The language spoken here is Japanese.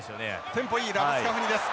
テンポいいラブスカフニです。